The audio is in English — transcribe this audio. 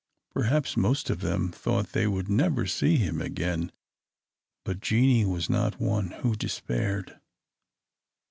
Perhaps most of them thought they would never see him again, but Jeanie was not one who despaired.